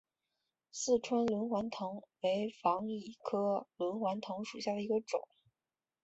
四川轮环藤为防己科轮环藤属下的一个种。